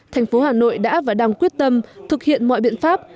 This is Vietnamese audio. tp hà nội đã và đang quyết tâm thực hiện mọi biện pháp